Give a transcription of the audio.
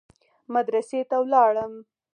مدرسې ته ولاړم.